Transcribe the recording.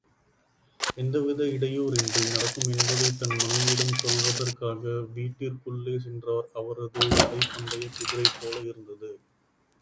எந்தவித இடையூறின்றி நடக்கும் என்பதைத் தன் மனைவியிடம் சொல்வதற்காக, வீட்டிற்குள்ளே சென்றார், அவரது நடை பந்தயக் குதிரைபோல இருந்தது.